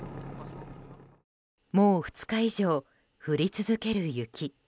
もう２日以上、降り続ける雪。